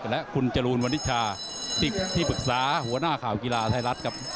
และคุณจรูนวันนิชาที่ปรึกษาหัวหน้าข่าวกีฬาไทยรัฐครับ